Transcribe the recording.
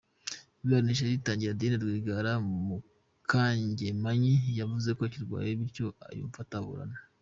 Iburanisha rigitangira, Adeline Rwigara Mukangemanyi yavuze ko akirwaye bityo yumva ataburana.